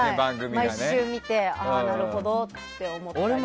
毎週見てああ、なるほどって思ったり。